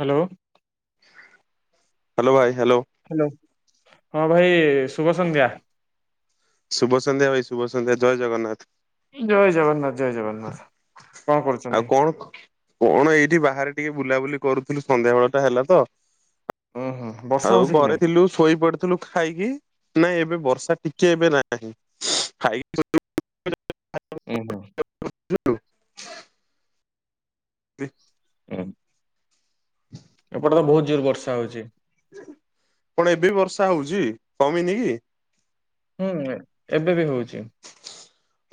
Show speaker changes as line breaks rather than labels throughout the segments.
Hello.
Hello ଭାଇ hello.
Hello ହଁ ଭାଇ ଶୁଭ ସନ୍ଧ୍ୟା।
ଶୁଭ ସନ୍ଧ୍ୟା ଭାଇ ଶୁଭ ସନ୍ଧ୍ୟା ଜୟ ଜଗନ୍ନାଥ।
ଜୟ ଜଗନ୍ନାଥ, ଜୟ ଜଗନ୍ନାଥ କଣ
ଆଉ
କରୁଛନ୍ତି?
କଣ? କଣ ଏଇଠି ବାହାରେ ଟିକେ ବୁଲାବୁଲି କରୁଥିଲୁ ସନ୍ଧ୍ୟା ବେଳ ଟା ହେଲା ତ।
ହଁ ହଁ
ଆଉ ଘରେ ଥିଲୁ ଶୋଇ ପଡିଥିଲୁ ଖାଇକି ନାଇଁ ଏବେ ବର୍ଷା ଟିକେ ଏବେ ନାହିଁ ଖାଇକି ଖ
ଓ ହୋଁ
[inaudible]
ହୁଁ ଏପଟେ ତ ବହୁତ ଜୋର ବର୍ଷା ହଉଛି।
କଣ ଏବେ ବର୍ଷା ହଉଛି କମିନି କି?
ହୁଁ ଏବେ ବି ହଉଛି।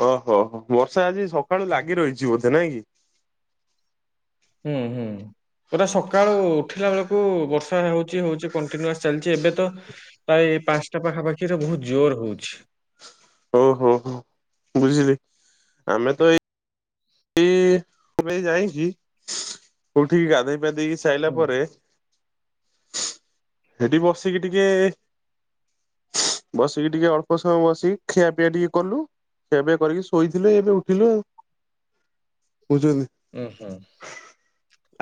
ଓହୋ ହୋ ବର୍ଷା ଆଜି ସକାଳୁ ଲାଗି ରହିଛି ବୋଧେ ନାଇଁ କି?
ହୁଁ ହୁଁ। ପା ସକାଳୁ ଉଠିଲା ବେଳକୁ ବର୍ଷା ହଉଚଛି ହଉଛି କଣ୍ଟିନ୍ୟୁଆସ ଚାଲିଛି ଏବେ ତ ପ୍ରାୟ ପାଞ୍ଚଟା ପାଖାପାଖିରେ ବହୁତ ଜୋର ହଉଛି।
ଓହୋ ହୋ ବୁଝିଲି ଆମେ ତ ଏଇ ଏବେ ଯାଇକି କୋଉଠିକି ଗାଧେଇପଧେଇ କି ଚାଇଲା
ହୁଁ
ପରେ ସେଠି ବସିକି ଟିକେ ବସିକି ଟିକେ ଅଳ୍ପ ସମୟ ବସିକି ଖିଆପିଆ ଟିକେ କଲୁ। ଏବେ କରିକି ଶୋଇଥିଲେ, ଏବେ ଉଠିଲୁ ଆଉ। ବୁଝୁନି।
ଉ ହୁ।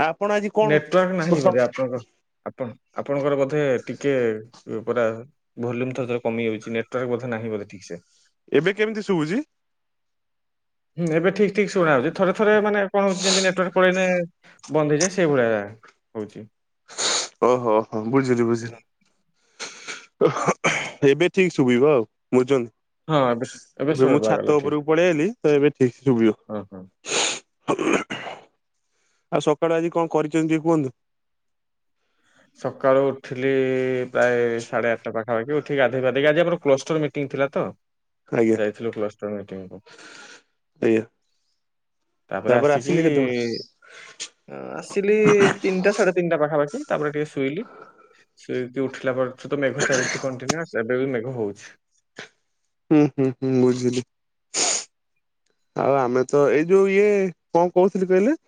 ଆପଣ ଆଜି କଣ
ନେଟୱାର୍କ ନାହିଁ ବୋଧେ ଆପଣଙ୍କର। ଆପଣ ଆପଣଙ୍କର ବୋଧେ ଟିକେ ପୁରା ଭଲ୍ୟୁମ ତରେ କମି ଯାଉଛି ନେଟୱାର୍କ ବୋଧେ ନାହିଁ ବୋଧେ ଠିକ ସେ
ଏବେ କେମିତି ଶୁଭୁଛି?
ହୁ ଏବେ ଠିକ ଠିକ ଶୁଭା ଯାଉଛି। ଥରେ ଥରେ ମାନେ କଣ ହଉଛି ଯେମିତି ନେଟୱାର୍କ ପାଳେଇଲେ ମାନେ ବନ୍ଧ ହେଇଯାଏ ସେଇଭଳିଆ ହଉଛି।
ଓହୋ ଓ ହୋ ବୁଝିଲି ବୁଝିଲି। ଏବେ ଠିକ ଶୁଭିବ ଆଉ
ହଁ ଏବେ
ବଝନ ଏବେ ମୁଁ
ଶୁଭାଗଲା
ଛାତ
ଠିକ୍।
ଉପରକୁ ପଳେଇଲି ତ ଏବେ ଠିକ ଶୁଭିବ।
ହଁ, ହଁ।
[unintelligible] ଆଉ ସକାଳୁ ଆଜି କଣ କରିଛନ୍ତି କୁହନ୍ତୁ?
ସକାଳୁ ଉଠିଲି ପ୍ରାୟ ସାଢେ ଆଠଟା ପାଖାପାଖି, ଉଠିକି ଗାଧୋଇ ପାାଧେଇକି ଆଜି ଆମର କ୍ଲୋଷ୍ଟର ମିଟିଂ ଥିଲା ତ।
ଆଜ୍ଞା
ଯାଇଥିଲୁ କ୍ଲସଟର ମିଟିଂ କୁ
ଆଜ୍ଞା
ତାପରେ ଆସିକି
ଆସିଲେ କେତେବେଳେ?
ଆସିଲି ତିନିଟା ସାଢେ ତିନିଟା ପାଖାପାଖି ତାପରେ ଟିକେ ଶୋଇଲି ଶୋଇକି ଉଠିଲା ପରେ ତ ମେଘ ଚାଲିଛି କଣ୍ଟିନ୍ୟୁସ୍। ଏବେ ବି ମେଘ ହଉଛି
ହୁଁ ହୁଁ ହୁଁ ବୁଝିଲି। ଆଉ ଆମେ ତ ଏଇ ଯୋଉ ଇଏ କଣ କହୁଥିଲି କହିଲେ?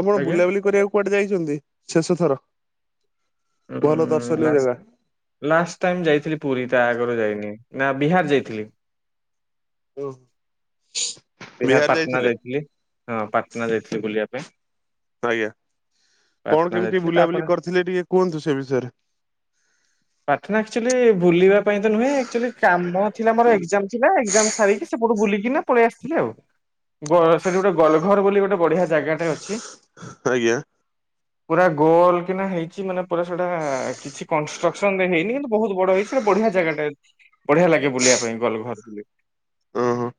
ଆପଣ
ଆଜ୍ଞା
ବୁଲାବୁଲି କରିବାକୁ କୁଆଡେ ଯାଇଛନ୍ତି ଶେଷ ଥର?
ଉଁ
ଭଲ ଦର୍ଶନୀୟ
ଲାଷ୍ଟ
ଜାଗା?
ଲାଷ୍ଟ ଟାଇମ ଯାଇଥିଲି ପୁରୀ ତା ଆଗରୁ ଯାଇନି। ନା ବିହାର ଯାଇଥିଲି।
ଓ।
ବିହାର ପାଟନା ଯାଇଥିଲି, ହଁ ପାଟନା ଯାଇଥିଲି ବୁଲିବା ପାଇଁ।
ଆଜ୍ଞା କଣ
ପାଟନା
କେମିତି
ଯାଇଥିଲି ତାପରେ
ବୁଲାବୁଲି କରିଥିଲେ ଟିକେ କୁହନ୍ତୁ ସେ ବିଷୟରେ।
[inaudible] ପାଟନା ଆକଚୁଆଲି ବୁଲିବା ପାଇଁ ତ ନୁହେଁ ଆକଚୁଆଲି କାମ ଥିଲା ମୋର ଏକ୍ଜାମ ଥିଲା ଏକ୍ଜାମ ସାରିକି ସେପଟୁ ବୁଲିକିନା ପଳେଇ ଆସିଥିଲେ ଆଉ। ସେଠି ଗୋଟେ ଗଲଘର ବୋଲି ଗୋଟେ ବଢିଆ ଜାଗାଟା ଅଛି
ଆଜ୍ଞା
ପୁରା ଗୋଲ କିନା ହେଇଚି ମାନେ ପୁରା ସେଟା କିଛି କନଷ୍ଟ୍ରକ୍ସନ୍ ରେ ହେଇନି, କିନ୍ତୁ ବହୁତ୍ ବଡ ହେଇଚି ସେଟା ବଢିଆ ଜାଗାଟା। ବଢିଆ ଲାଗେ ବୁଲିବା ପାଇଁ। [unintelligible]
ଓହୋ।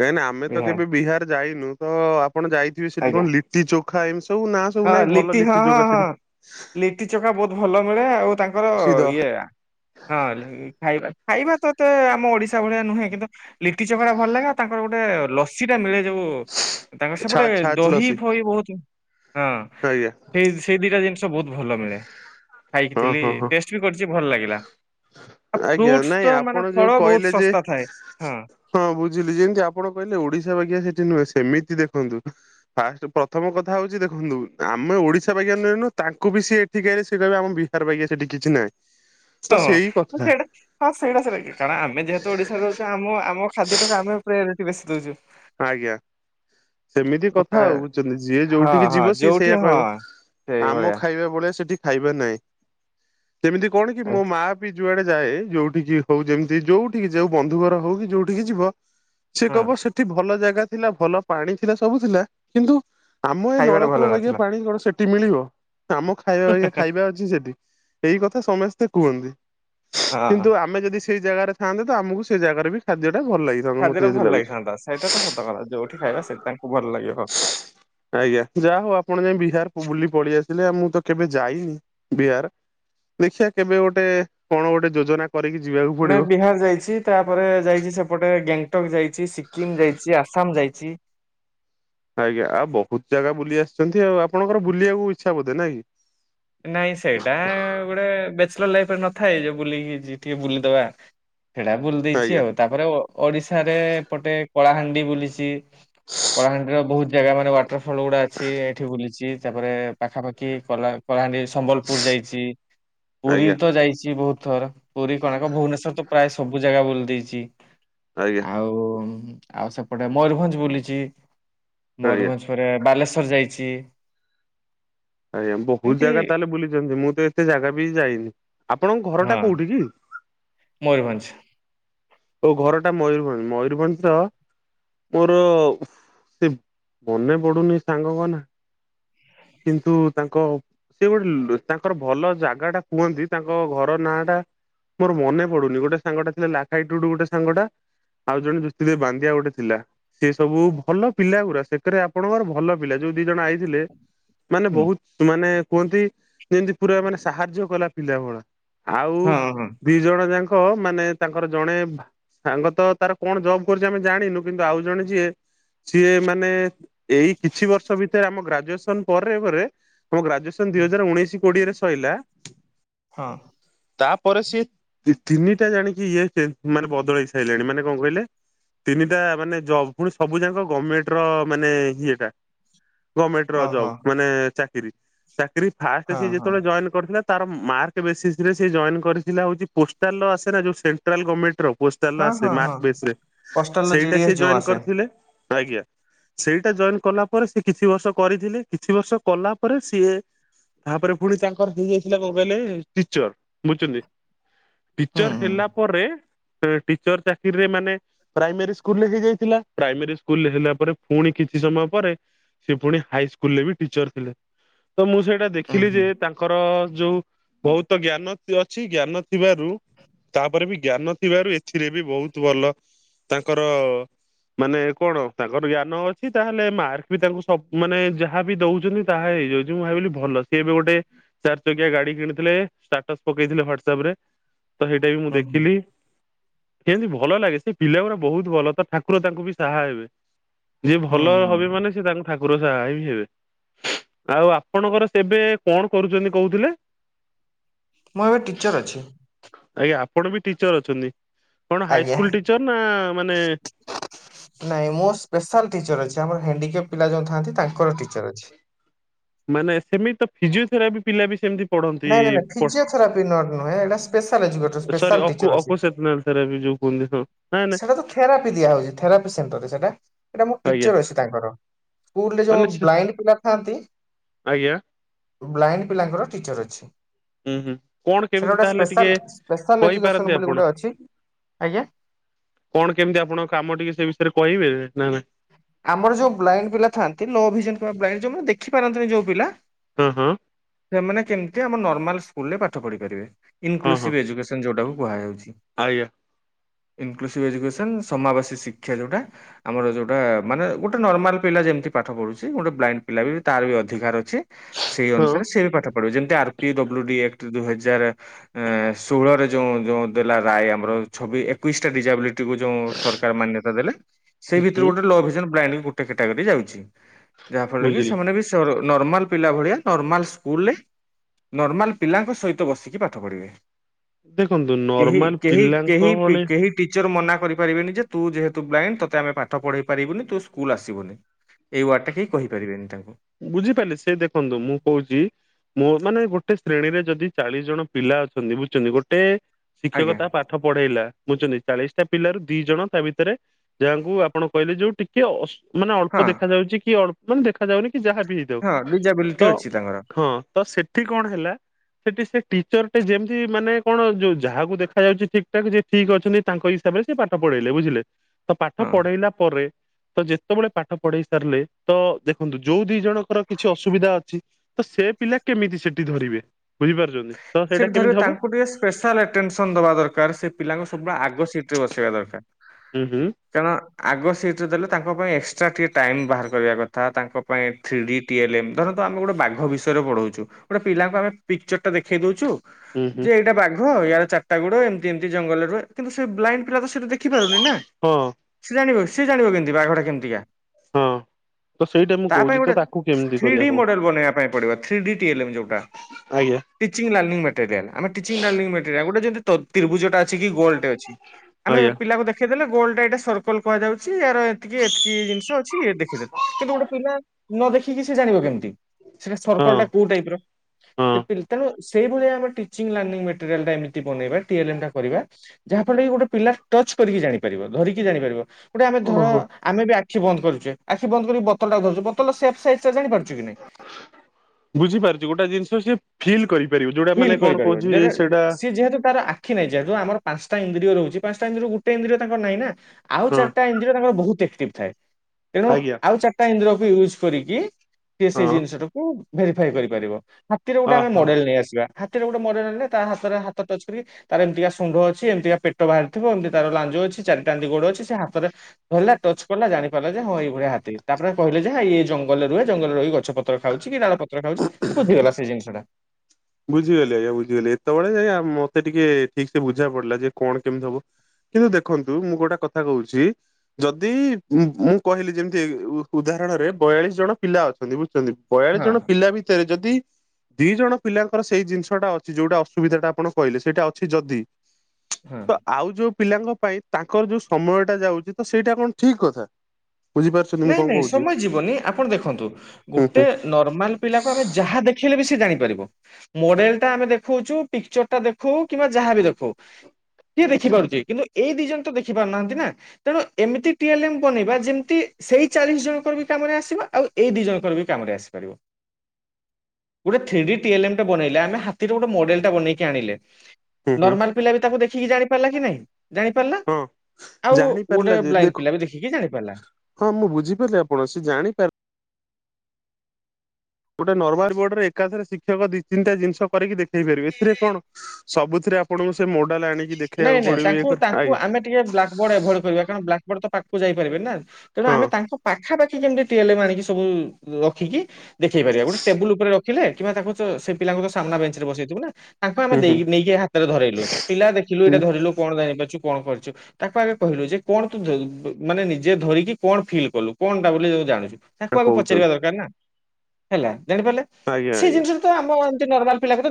କାହିଁକି ନା ଆମେ ତ କେବେ ବିହାର ଯାଇନ। ତ ଆପଣ ଯାଇଥିବେ ସେଠି
ଆଜ୍ଞା
କଣ ଲିଟି ଚୋଖା ଏମ୍ସ ସବୁ ନା ସବୁ
ହଁ
ନାଇଁ ଭଲ
ହଁ
ଲିଟି
ହଁ
ଚୋଖା
ହଁ।
ସେଠି।
ଲିଟି ଚୋଖା ବହୁତ ଭଲ ମିଳେ। ଆଉ ତାଙ୍କର
ପ୍ରସିଦ୍ଧ
ଇଏ ହଁ ଖାଇବା ଖାଇବା ଏତେ ଆମ ଓଡିଶା ଭଳିଆ ନୁହେଁ। କିନ୍ତୁ ଲିଟି ଚୋଖା ଟା ଭଲ ଲାଗେ। ତାଙ୍କର ଗୋଟେ ଲସି ଟା ମିଳେ ଯୋଉ ତାଙ୍କର ସେପଟେ
ଛାଚ୍ ଛାଚ୍
ଦହି
ଲସି
ଫହି ବହୁତ ହଁ।
[unintelligible]
ହେଇ ସେଇ ଦିଟା ଜିନିଷ ବହୁତ ଭଲ ମିଳେ।
ହଁ
ଖାଇଥିଲି
ହଁ ହଁ
ଟେଷ୍ଟ ବି କରିଛି ଭଲ ଲାଗିଲା। ଆ
ଆଜ୍ଞା
ଫ୍ରୁଟ୍ସ
ନାଇଁ
ତ
ଆପଣ
ମାନେ
ଯୋଉ
ଫଳ ବହୁତ
କହିଲେ ଯେ
ଶସ୍ତା ଥାଏ ହଁ।
ହଁ ବୁଝିଲି। ଯେମିତି ଆପଣ କହିଲେ ଓଡିଶା ବାଗିଆ ସେଠି ନୁହେଁ ସେମିତି ଦେଖନ୍ତୁ ଫାଷ୍ଟ ପ୍ରଥମ କଥା ହଉଚି ଦେଖନ୍ତୁ ଆମେ ଓଡିଶା [unintelligible] ତାଙ୍କୁ ବି ସିଏ ଏଠିକି ଆଇଲେ ସେ କହିବେ ଆମ ବିହାର ବାଗିଆ ସେଠି କିଛି ନାହିଁ। ତ ସେଇ କ
ହଁ ସେଇଟା ହଁ ସେଇଟା ସେଇଟା କାରଣ ଆମେ ଯେହେତୁ ଓଡିଶାରେ ରହୁଚି ଆମ ଆମ ଖାଦ୍ୟ ଟା ଆମେ ପ୍ରେ [unintelligible] ବେଶୀ ଦଉଚୁ।
ଆଜ୍ଞା। ସେମିତି କଥା
ଗୋଟେ-
ହଉଛନ୍ତି ଯିଏ
ହଁ
ଯୋଉଠିକି
ହଁ
ଯିବ ସିଏ
ଯୋଉଠି
ସେଇଆ
ହଁ
କହିବ। ଆମ
ସେଇଭଳିଆ
ଖାଇବା ଭଳିଆ ସେଠି ଖାଇବା ନାହିଁ। ସେମିତି କଣ କି
ହଁ
ମୋ ମା ବିି ଯୁଆଡେ ଯାଏ, ଯୋଉଠିକି ହଉ ଯେମିତି ଯୋଉଠିକି ଯାଉ ବନ୍ଧୁ ଘର ହଉ କି ଯୋଉଠିକି ଯିବ ସିଏ କହିବ ସେଠି ଭଲ ଜାଗା ଥିଲା ଭଲ ପାଣି ଥିଲା ସବୁ ଥିଲା। କିନ୍ତୁ ଆମ ଏ
ଖାଇବାଟା ଭଲ
ନଳକୂଅ ବାଗିଆ
ନଥିଲା
ପାଣି କଣ ସେଠି ମିଳିବ। ଆମ ଖାଇବା ବାଗିଆ ଖାଇବା ଅଛି ସେଠି। ଏଇ କଥା ସମସ୍ତେ କୁହନ୍ତି।
ହଁ।
କିନ୍ତୁ ଆମେ ଯଦି ସେଇ ଜାଗାରେ ଥାନ୍ତେ ତ ଆମକୁ ସେଇ ଜାଗାର ବି ଖାଦ୍ୟ ଟା ଭଲ ଲାଗି
ଖାଦ୍ୟଟା ଭଲ ଲାଗିଥାନ୍ତା। ସେଇଟା ତ ସତ କଥା। ଯୋଉଠି ଖାଇବା ସେଠି ତାଙ୍କୁ ଭଲ ଲାଗିବ।
ଆଜ୍ଞା। ଯାହା ହଉ ଆପଣ ଯାଇ ବିହାର ବୁଲି ପଳେଇ ଆସିଲେ। ମୁଁ ତ କେବେ ଯାଇନି। ବିହାର, ଦେଖିବା କେବେ ଗୋଟେ କଣ ଗୋଟେ ଯୋଜନା କରିକି ଯିବାକୁ ପଡିବ।
ନାଇଁ ବିହାର ଯାଇଚି ତାପରେ ଯାଇଚି ସେପଟେ ଗ୍ୟାଙ୍ଗଟକ୍ ଯାଇଚି ସିକିମ୍ ଯାଇଚି ଆସାମ ଯାଇଚି।
ଆଜ୍ଞା। ଆ ବହୁତ ଜାଗା ବୁଲି ଆସିଛନ୍ତି ଆଉ। ଆପଣଙ୍କର ବୁଲିବାକୁ ଇଚ୍ଛା ବୋଧେ ନାଇଁ କି?
ନାଇଁ ସେଇଟା ଗୋଟେ ବ୍ୟାଚଲର ଲାଇଫ୍ ରେ ନଥାଏ ଯେ ବୁଲିକି ଟିକେ ବୁଲିଦେବା। ହେଟା ବୁଲି ଦେଇଚି
ଆଜ୍ଞା
ଆଉ। ତାପରେ ଓଡ଼ିଶା ରେ ଏପଟେ କଳାହାଣ୍ଡି ବୁଲିଚି। କଳାହାଣ୍ଡି ର ବହୁତ୍ ଜାଗା ମାନେ ୱାଟର ଫଲ୍ ଗୁଡା ଅଛି ଏଠି ବୁଲିଚି। ତାପରେ ପାଖାପାଖି କଲା କଳାହାଣ୍ଡି ସମ୍ବଲପୁର ଯାଇଚି। ପୁରୀ
ଆଜ୍ଞା
ତ ଯାଇଚି ବହୁତ ଥର। ପୁରୀ, କୋଣାର୍କ, ଭୁବନେଶ୍ଵର ତ ପ୍ରାୟ ସବୁ ଜାଗା ବୁଲି ଦେଇଚି।
ଆଜ୍ଞା।
ଆଉ ଆଉ ସେପଟେ ମୟୂରଭଞ୍ଜ ବୁଲିଚି।
ଆଜ୍ଞା
ମୟୂରଭଞ୍ଜ ପରେ ବାଲେଶ୍ୱର ଯାଇଚି।
ଆଜ୍ଞା। ବହୁତ
ଏମିତି
ଜାଗା ତାହେଲେ ବୁଲିଛନ୍ତି। ମୁଁ ତ ଏତେ ଜାଗା ବି ଯାଇନି। ଆପଣଙ୍କ ଘରଟା
ହଁ
କୋଉଠି କି?
ମୟୂରଭଞ୍ଜ।
ଓ ଘରଟା ମୟୂରଭଞ୍ଜ। ମୟୂରଭଞ୍ଜର ମୋର ସେ ମନେ ପଡୁନି ସାଙ୍ଗଙ୍କ ନା। କିନ୍ତୁ ତାଙ୍କ ସେ ଗୋଟେ ତାଙ୍କର ଭଲ ଜାଗା ଟା କୁହନ୍ତି ତାଙ୍କ ଘର ନାଁ ଟା ମୋର ମନେ ପଡୁନି। ଗୋଟେ ସାଙ୍ଗଟା ଥିଲା [unintelligible] ଗୋଟେ ସାଙ୍ଗଟା। ଆଉ ଜଣେ [unintelligible] ବାନ୍ଦିଆ ଗୋଟେ ଥିଲା। ସେ ସବୁ ଭଲ ପିଲା ଗୁରା ସେକରେ ଆପଣଙ୍କର ଭଲ ପିଲା ଯୋଉ ଦି ଜଣ ଆଇଥିଲେ ମାନେ
ହୁଁ।
ବହୁତ ମାନେ କୁହନ୍ତି ଯେମିତି ପୁରା ମାନେ ସାହାଯ୍ୟ କଲା ପିଲା ଭଳା। ଆଉ
ହଁ, ହଁ,
ଦି ଜଣ ଯାକ ମାନେ ତାଙ୍କ ତାଙ୍କର ଜଣେ ସାଙ୍ଗ ତ ତାର କଣ ଜବ୍ କରୁଛି ଆମେ ଜାଣିନୁ କିନ୍ତୁ ଆଉ ଜଣେ ଯିଏ ସିଏ ମାନେ ଏଇ କିଛି ବର୍ଷ ଭିତରେ ଆମ ଗ୍ରାଜୁଏସନ ପରେ ପରେ ଆମ ଗ୍ରାଜୁଏସନ ଦିଇ ହଜାର ଉଣେଇଶି କୋଡିଏରେ ଶୋଇଲା।
ହଁ
ତାପରେ ସିଏ ତିନିଟା ଜାଣିକି ଇଏ ସେ ମାନେ ବଦଳେଇ ସାରିଲାଣି ମାନେ କଣ କହିଲେ ତିନିଟା ମାନେ ଜବ୍ ପୁଣି ସବୁ ଯାକ ଗଭର୍ଣ୍ଣମେଣ୍ଟ ର ମାନେ ଇଏଟା। ଗମେଣ୍ଟ ର
ଓହୋ!
ଜବ ମାନେ ଚାକିରି। ଚାକିରି ଫାଷ୍ଟ
ହଁ,
ସିଏ
ହଁ,
ଜେତେବେଳେ ଜଇନ କରିଥିଲା ତାର ମାର୍କ ବେସି୍ରେ ସେ ଜଏନ୍ କରିଥିଲା ହେଉଛି ପୋଷ୍ଟାଲର ଆସେ ନା ଯେଉଁ ସେନଟ୍ରାଲ୍ ଗଭର୍ଣ୍ଣମେଣ୍ଟର? ପୋଷ୍ଟାଲ ରେ
ହଁ,
ଆସେ
ହଁ, ହଁ।
ମାର୍କ ବେସ୍ ରେ
ପୋଷ୍ଟାଲର
ସେଇଟା ସେ
ଜିଡିଏସ୍ ଯୋଉ
ଜନ୍
ଆସେ।
କରିଥିଲେ ଆଜ୍ଞା। ସେଇଟା ଜଏନ କଲା ପରେ ସେ କିଛି ବର୍ଷ କରିଥିଲେ କିଛି ବର୍ଷ କଲା ପରେ ସିଏ ତାପରେ ପୁଣି ତାଙ୍କର ହେ ଯାଇଥିଲା କଣ କହିଲେ ଟିଚର, ବୁଝୁଛନ୍ତି?
ହୁଁ,
ଟିଚର
ହୁଁ,
ହେଲା ପରେ ଟିଚର ଚାକିରିରେ ମାନେ ପ୍ରାଇମେରୀ ସ୍କୁଲରେ ହେ ଯାଇଥିଲା ପ୍ରାଇମେରୀ ସ୍କୁଲରେ ହେଲା ପରେ ପୁଣି କିଛି ସମୟ ପରେ ସେ ପୁଣି ହାଇସ୍କୁଲରେ ବି ଟିଚର ଥିଲେ। ତ ମୁଁ ସେଇ ସେଟା
ଉଁ,
ଦେଖିଲି
ହୁଁ,
ଯେ ତାଙ୍କର ଯୋଉ ବହୁତ ଜ୍ଞାନ ଅଛି। ଜ୍ଞାନ ଥିବାରୁ ତାପରେ ବି ଜ୍ଞାନ ଥିବାରୁ ଏଥିରେ ବି ବହୁତ ଭଲ ତାଙ୍କର ମାନେ କଣ ତାଙ୍କର ଜ୍ଞାନ ଅଛି ତାହେଲେ ମାର୍କ ବି ତାଙ୍କୁ ସବ ମାନେ ଯାହାବି ଦଉଛନ୍ତି ତାହା ହେଇଯାଉଉଛି ମୁଁ ଭାବିଲି ଭଲ ସିଏ ଏବେ ଗୋଟେ ଚାର୍ ଚକିଆ ଗାଡି କିଣିଥିଲେ ଷ୍ଟାଟସ ପକେଇଥିଲେ ହ୍ୱାଟସଆପ ରେ। ତ ସେଇଟା ମୁଁ
ଉଁ, ହୁଁ,
ଦେଖିଲି କେମତି ଭଲ ଲାଗେ ସେ ପିଲା ଗୁ ବହୁତ ଭଲ। [unintelligible] କୁକୁର ତାଙ୍କୁ ବି ସାହା ହେବେ ଯିଏ ଭଲ
ହୁଁ, ହୁଁ।
ହବେ ମାନେ ସେ ତାଙ୍କୁ ଠା ପରସା ବି ହେବେ। ଆଉ ଆପଣଙ୍କର ସେବେ କଣ କରୁଛନ୍ତି କହୁଥିଲେ?
ମୁଁ ଏବେ ଟିଚର୍ ଅଛି।
ଆଜ୍ଞା ଆପଣ ବି ଟିଚର ଅଛନ୍ତି। କଣ
ଆଜ୍ଞା,
ହାଇସ୍କୁଲ ଟିଚର ନା ମାନେ
ନାଇଁ ମୋ ସ୍ପେଶାଲ ଟିଚର ଅଛି ଆମର ହଣ୍ଡିକେପ ପିଲା ଯୋଉ ଥାନ୍ତି ତାଙ୍କର ଟିଚର ଅଛି।
ମାନେ ସେମିତି ତ ଫିଜିଓଥେରାପି ପିଲା ବି ସେମିତି଼ ପଢନ୍ତି
ନାଇଁ, ନାଇଁ, ନାଇଁ ଫିଜିଓଥେରାପି ନ ନୁହେଁ ଏଇଟା ସ୍ପେଶାଲ୍ ଏଜୁକେଟର୍ ସ୍ପେଶାଲ୍
ସରି ଅ
ଟିଚର୍
ଅକୁ [unintelligible] ସେ ବି ଯଉ କୁହନ୍ତି ନାଇଁ ନାଇଁ
ସେଇଟା ତ ଥେରାପି ଦିଆ ହଉଛି ଥେରାପି ସେଣ୍ଟର ରେ ସେଇଟା। ଏଇଟା ମୁଁ
ଆଜ୍ଞା
ଟିଚର ଅଛି ତାଙ୍କର। ସ୍କୁଲ ରେ ଯୋଉ
ମାନେ ସେ
ବ୍ଲାଇଣ୍ଡ ପିଲା ଥାନ୍ତି
ଆଜ୍ଞା
ବ୍ଲାଇଣ୍ଡ ପିଲାଙ୍କର ଟିଚର ଅଛି।
ହୁଁ ହୁଁ କଣ
ସେଟା
କେମିତି
ଗୋଟେ
ତାହେଲେ ଟିକେ
ସ୍ପସିଆଲ ସ୍ପେସିଆଲ
କହିପାରନ୍ତି
ଏଜୁକେସନ ବୋଲି
ଆପଣ
ଗୋଟେ ଅଛି। ଆଜ୍ଞା
କଣ କେମିତି ଆପଣଙ୍କ କାମ ଟିକେ ସେ ବିଷୟରେ କହିବେ, ନା ନହିଁ?
ଆମର ଯୋଉ ବ୍ଇଣ୍ଡ ପିଲା ଥାନ୍ତି ଲୋ ଭଜନ କିମ୍ବା ବ୍ଣ୍ଡ ଯୋଉମାନେ ଦେିାରନ୍ତିନ ଯୋଉ ପିଲା
ହଁ ହଁ
ସେମାନେ କେମିତି ଆମ ନର୍ମାଲ ସ୍କୁଲ ରେ ପାଠ ପଢିପାରିବେ
ହଁ ହଁ
ଇନକ୍ଭ ଏଜୁକେସନ। ଯଉଟା କୁହାଯାଉଛି।
ଆଜ୍ଞା
ଇନକ୍ଲୁସିଭ୍ ଏଜୁକେସନ୍ ସମାବାସୀ ଶିକ୍ଷା ଯେଉଟା ଆମର ଯୋଉ ଗୋଟେ ମାନେ ଗୋଟେ ନର୍ମାଲ ପିଲା ଯେମିତି ପାଠ ପଢୁଛି ଗୋଟେ ବ୍ଲାଇଣ୍ଡ ପିଲା ବି ତାର ବି ଅଧିକାର ଅଛି ସେଇ
ହଁ
ଅନୁସାରେ ସେ ବି ପାଠ ପଢିବ। ଯେମିତି ଆର ପି ଡବ୍ଲୁ ଡିକ୍ ଦୁଇ ହଜାର ଷୋହଳରେ ଯୋଉ ଯୋଉ ଦେଲା ରାୟ ଆମର ଛବି ଏକୋଇଶ ଟା ଡିଜାବିଲି କୁ ଯୋଉ ସରକାର ମାନ୍ୟତା ଦେଲେ ସେଇ
ହୁଁ
ଭିତ
ହୁଁ
[unintelligible] [unintelligible] ଗୋଟେ କଟରୀ ଯାଉଛି। ଯାହା ଫଳରେ କି
ବୁଝିଲି।
ସେମାନେ ବି ଅର ନର୍ମାଲ ପିଲା ଭଳିଆ ନର୍ମାଲ ସ୍କୁଲରେ ନର୍ମାଲ ପିଲାଙ୍କ ସହିତ ବସିକି ପାଠ ପଢ଼ିବେ।
ଦେଖନ୍ତୁ
କେହି
ନର୍ମାଲ
କେହି
ପିଲାଙ୍କ
କେହି ପି
ଭଳି
କେହି ଟିଚର ମନା କରିପାରିବେନି ଯେ ତୁ ଯେହେତୁ ବ୍ଲାଇଣ୍ଡ ତତେ ଆମେ ପା ପାଠ ପଢେଇ ପାରିବୁନି ତୁ ସ୍କୁଲ ଆସିବୁନି ଏଇ ୱାର୍ଡଟା କେହି କହିପାରିବେନି ତାଙ୍କୁ।
ବୁଝିପାଇଲେ ସେ ଦେଖନ୍ତୁ ମୁଁ କୋହୁଚି ମୋ ମାନେ ଗୋଟେ ଶ୍ରେଣୀରେ ଯଦି ଚାଳିଶ ଜଣ ପିଲା ଅଛନ୍ତି ବୁଝୁଛନ୍ତି ଗୋଟେ ଶିକ୍ଷକ
ଆଜ୍ଞା
ତା ପା ପାଠ ପଢେଇଲା ବୁଝୁଚନ୍ତି ଚାଳିଶଟା ପିଲାରୁ ଦି ଜଣ ତା ଭିତରେ ଯାହାଙ୍କୁ ଆପଣ କହିଲେ ଯୋଉ ଟିକେ ଅସ୍ ମାନେ
ହଁ
ଅଳ୍ପ ଦେଖା ଯାଉଚି କି ଅଳ୍ ମାନେ ଦେଖାଯାଉନି କି ଯାହା ବ୍ ବି ହେଇଥାଉ
ହଁ ଡିଜାବିଲିଟି
ତ
ଅଛି ତାଙ୍କର
ହଁ ତ ସେଠି କଣ ହେଲା ସେଠି ସେ ଟିଚରଟେ ଯେମତି ମାନେ କଣ ଯୋଉ ଯାହାକୁ ଦେଖାଯାଉଚି ଠିକଠାକ ଯିଏ ଠିକ୍ ଅଛନ୍ତି ତାଙ୍କ ହିସାବରେ ସେ ପାଠ ପଢେଇଲେ ବୁଝିଲେ। ତ ପାଠ
ହଁ।
ପଢେଇଲା ପରେ ତ ଯେତବେଳେ ପାଠ ପଢେଇ ସାରିଲେ ତ ଦେଖନ୍ତୁ ଯୋଉ ଦିଇ ଜଣଙ୍କର କିଛି ଅସୁବିଧା ଅଛି ତ ସେ ପିଲା କେମିତି ସେଠି ଧରିବେ ବୁଝିପାରୁ
ସେଠ ଧରିବେ ତାଙ୍କୁ ଟିକେ ସ୍ ପେଶାଲ ଆଟେନସନ ଦବା ଦରକାର ସେ ପିଲାଙ୍କୁ ସବୁବେଳେ ଆଗ ସିଟରେ ବସେଇବା ଦରକାର।
ଉଁ ହୁଁ।
କାରଣ ଆଗ ସିଟରୁ ଦେଲେ ତାଙ୍କ ପାଇଁ ଏକ୍ସଟ୍ରା ଟିକେ ଟାଇମ ବାହାର କରିବା କଥା ତାଙ୍କ ପାଇଁ ଥ୍ରୀଡି ଟି ଏଲ୍ ଏମ୍ ଧରନ୍ତୁ ଆମେ ଗୋଟେ ବାଘ ବିଷୟରେ ପଢୋଉଚୁ ଗୋଟେ ପିଲାଙ୍କୁ ଆମେ ପିକଚର୍ ଚର୍ ଦେଖେଇ ଦୋଉଚୁ
ହୁଁ ହୁଁ
ଯେ ଏଇଟା ବାଘ ୟାର ଚାରଟା ଗୋଡ ଏମତି ଏମତି ଜଙ୍ଗଲରେ ରୁହେ କିନ୍ତୁ ସେ ବ୍ଲାଇଣ୍ଡ୍ ପିଲା ତ ସେତ ଦେଖିପାରୁନି ନା
ହଁ
ସେ ଜାଣିବ ସିଏ ଜାଣିବ କେମତି ବାଘଟା କେମତିକା।
ହଁ। ତ ସେଇଟା ମୁଁ କୋହୁଚି ତ
ଗୋଟେ
ତାକୁ କେମତି
ଥ୍ରୀ
କରିବା
ଡି
କହ?
ମଡେଲ ବନେଇବା ପାଇଁ ପଡିବ
ଆଜ୍ଞା।
ଟିଚିଙ୍ଗ୍ ଲାର୍ଣ୍ଣିଂ ମ୍ୟାଟେରିଆଲ ଆମେ ଟିିଚିଙ୍ଗ୍ ଲାର୍ଣ୍ଣିଙ୍ଗ୍ ମ୍ୟାଟେରିଆଲ ଗୋଟେ ଯେମତି ତ-ତ୍ରିଭୁଜଟା ଅଛି କି ଗୋଲଟେ ଅଛି ଆମେ
ଆଜ୍ଞା
ପିଲାକୁ ଦେଖ୍ ଖେଇଦେଲେ ଗୋଲଟା ଏଟା ସର୍କଲ କୁହାଯାଉଚି ୟାର ଏତିକି ଏତିକି ଜିନଷ ଅଛି ଏ ଦେଖେଇଦେଲେ କିନ୍ତୁ ଗୋଟେ ପିଲା ନ ଦେଖିକି ସେ ଜାଣିବ କେମିତି? ସେଟା
ହଁ
ସର୍କଲଟା କୋଉ ଟାଇପର
ହଁ
ଯେ ପିଲ୍ ସେଇଭଳିଆ ଆମ ଟିଚିଙ୍ଗ୍ ଲର୍ନିଙ୍ଗ୍ ମ୍ୟାଟେରିଆଲଟା ଏମତି ବନେଇବା ଟି ଏଲ୍ ଏମ୍ ଟା କରିବା ଯାହା ଫଳରେ କି ଗୋଟେ ପିଲା ଟଚ୍ କରିକି ଜାଣିପାରିବ ଧରିକି ଜାଣିପାରିବ ଗୋଟେ ଆମେ ଧର
ଓହୋ
ଆମେ ବି ଆଖି ବନ୍ଦ କରୁଚେ ଆଖି ବନ୍ଦ କରିିକି ବୋତଲଟାକୁ ଧରୁଚେ ବୋତଲର ସେପ୍ ସାଇଜଟା ଜାଣିପାରୁଚୁ କି ନାଇଁ
ବୁଝିପାରୁଚି ଗୋଟେ ଜିନିଷ ସିଏ ଫିଲ୍ କରିପାରିବୁ ଯୋଉଟା
ହିଲ୍
ମାନେ କଣ
କରିପାରିବ
କୋହୁଚି
ଯେଟା
ଏଇ ସେଇଟା
ସିଏ ଯେହେତୁ ତାର ଆ ଆଖି ନାହିଁ ଯେହେତୁ ଆମର ପାଞ୍ଚଟା ଇନ୍ଦ୍ରିୟ ରହୁଚି ପାଞ୍ଚଟା ଇନ୍ଦ୍ରିୟ ଗୋଟେ ଇନ୍ଦ୍ରିୟ ତାଙ୍କର ନାହିଁ ନା ଆଉ
ହଁ
ଚାରଟା ଇନ୍ ଦ୍ରିୟ ତାଙ୍କର ବୋହୁତ ଆକ୍ଟିଭ ଥାଏ ତେଣୁ
ଆଜ୍ଞା
ଆଉ ଚାରଟା ଇନ୍ଦ୍ରିୟକୁ ୟୁଜ୍ କରିକି କିଏ ସେଇ
ହଁ
ଜିନିଷଟାକୁ ଭେରିଫାଏ କରିପାରିବ ହାତୀରେ ଗୋଟେ ଆମେ
ଓହୋ
ମଡେଲ ନେଇଆସ ହାତୀରେ ଗୋଟେ ମଡେଲ ନେଲେ ତା ହାତରେ ହାତ ଟଚ୍ କରିକି ତାର ଏମତିକା ଶଣ୍ଢ ଅଛି ଏମତିକା ପେଟ ବାହାରିଥିବ ଏମତି ତାର ଲାଞ୍ଜ ଅଛି ଚାରିଟା ଏମତି ଗୋଡ ଅଛି ସେ ହାତରେ ଧରଲା ଟଚ କଲା ଜାଣିପାରିଲା ଯେ ହଁ ଏଇଭଳିଆ ହାତୀ ତାପରେ କହିଲେ ଯେ ଆ ଇଏ ଜଙ୍ଗଲରେ ରୁହେ ଜଙ୍ଗଲରେ ରହି ଗ ଗଛ ପତ୍ର ଖାଉଛି କି ଡାଳ ପତ୍ର ଖାଉଚି ବୁଝିଗଲା ସେ ଜିଷଟା।
ବୁଝିଗଲି ଆଜ୍ଞା ବୁଝିଗଲି ଏତବେଳେ ଆଜ୍ଞା ମତେ ଟିକେ ଠିକସେ ବୁଝା ପଡଲା ଯେ କଣ କେମତି ହବ। କିନ୍ତୁ ଦେଖନ୍ତୁ ମୁଁ ଗୋଟେ କଥା କୋହୁଚି ଯଦି ମୁଁ ମୁଁ କହିଲି ଯେମିତି ଉ-ଉଦାହରଣରେ ବୟାଳିଶ ଜଣ ପିଲା ଅଛନ୍ତି ବୁଝୁଛନ୍ତି ବୟାଳିଶ
ହଁ
ଜଣ ପିଲା ଭିତରେ ଯଦି ଦି ଜଣ ପିଲାଙ୍କର ସେଇ ଜିନିଷଟା ଅଛି ଯୋଉଟା ଅସୁବିଧାଟା ଆପଣ କହିଲେ ସେଇଟା ଅଛି ଯଦି
ହଁ।
ତ ଆଉ ଯୋଉ ପିଲାଙ୍କ ପାଇଁ ତାଙ୍କର ଯୋଉ ସମୟଟା ଯାଉଚି ତ ସେଇଟା କଣ ଠିକ କଥା? ବୁଝିପାରୁଛନ୍ତି ମୁଁ
ନାଇଁ
କଣ
ନାଇଁ
କହୁଛି
ସମୟ ଯିବନି ଆପଣ ଦେଖନ୍ତୁ
ହୁଁ
ଗୋଟେ
ହୁଁ
ନର୍ମାଲ ପିଲାକୁ ଆମେ ଯାହା ଦେଖେଇଲେ ବି ସିଏ ଜାଣିପାରିବ। ମଡେଲଟା ଆମେ ଦେଖୋଉଚୁ ପିକଚରଟା ଦେଖୋଉ କିମ୍ବା ଯାହାବି ଦେଖୋଉ ସିଏ ଦେଖିପାରୁଚି କିନ୍ତୁ ଏ ଦିଇ ଜଣ ତ ଦେଖି ପାରୁନାହାନ୍ତି ନା। ତେଣୁ ଏମିତି [unintelligible] ବନେଇବା ଯେମିତି ସେଇ ଚାଳିଶ ଜଣଙ୍କର ବି କାମରେ ଆସିବା ଆଉ ଏଇ ଦି ଜଣଙ୍କର ବି କାମରେ ଆସିପାରିବ। ଗୁଟେ ଥ୍ରୀଡି ଟିଏଲେମ୍ ଟେ ବନେଇଲେ ଆମେ ହାତୀର ଗୋଟେ ମଡେଲ୍ ଟା ବେଇକି ଆଣିଲେ।
ହୁଁ ହୁଁ
ନର୍ମାଲ ପିଲା ବି ତାକୁ ଦେଖିକି ଜାଣିପାରିଲା କି ନାହିଁ ଜାଣିପାରିଲା।
ହଁ
ଆଉ
ଜାଣିପାରିଲା
ଗୋଟେ
ଯେ
ବ୍ଲାଇଣ୍ଡ
ଦେଖ
ପିଲା ବି ଦେଖିକି ଜାଣିପାରିଲା।
ହଁ ମୁଁ ବୁଝିପାରିଲି ଆପଣ ସେ ଜାଣିପାର ଗୋଟେ [unintelligible] ଏକାଥରେ ଶିକ୍ଷକ ଦି ତିନିଟା ଜିନିଷ କରିକି ଦେଖେଇ ପାରିବେ ଏଥିରେ କଣ। ସବୁଥିରେ ଆପଣଙ୍କୁ ସେ ମୋଡାଲ ଆଣି
ନାଇଁ ନାଇଁ ତାଙ୍କୁ ତାଙ୍କୁ ଆମେ ଟିକେ ବ୍ଲାକ୍ ବୋର୍ଡ ଏ ଭଳି କରିବା କାରଣ ବ୍ଲାକ୍ ବୋର୍ଡ ତ ପାଖକୁ ଯାଇାପାରିବେନି ନା
ହଁ
ତେଣୁଆମେ ତାଙ୍କ ପାଖା ପା [unintelligible] କେମିତି ଟିଏଲେମ୍ ଆଣିକି ସବୁ ରଖିକି ଦେଖେଇ ପାରିବା ଗୋଟେ ଟେବୁଲ ଉପରେ ର ଥିଲେ କିମ୍ବା ତାକୁ ତ ସେ ପିଲାଙ୍କୁ ତ ସାମ୍ନା ବେଞ୍ଚ ରେ ବସେଇଥିବୁ ନା। ତାଙ୍କୁ ଆମେ
ହୁଁ ହୁଁ
ଦେଇକି ନେଇକି ହାତରେ ଧରାଇଲୁ ପିଲା ଦେଖିଲୁ ଏଇଟା
ହୁଁ
ଧରିଲୁ କଣ ଜାଣିପାରୁଚୁ କଣ କରିଛୁ। ତାକୁ ଆଗେ କହିଲୁ ଯେ କଣ ତୁ ଧ ବ ମାନେ ନିଜେ ଧରିକି କଣ ଫିଲ୍ କଲୁ କଣ ଟା ବୋଲି ଜାଣୁଚୁ। ତାକୁ ଆଗ ପଚାରିବା
କହୁଛନ୍ତି
ଦରକାର ନା ହେଲା ଜାଣିପାରିଲେ
ଆଜ୍ଞା
ସେଇ
ଆଜ୍ଞା।
ଜିନିଷକୁ ତ ଆମ ଏମତି ନର୍ମାଲ ପିଲାକୁ ତ